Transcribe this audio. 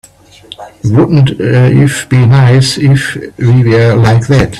Wouldn't it be nice if we were like that?